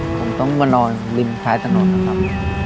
ผมต้องมานอนริมท้ายถนนนะครับ